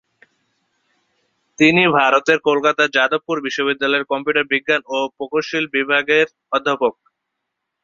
তিনি ভারতের কলকাতার যাদবপুর বিশ্ববিদ্যালয়ের কম্পিউটার বিজ্ঞান ও প্রকৌশল বিভাগের অধ্যাপক।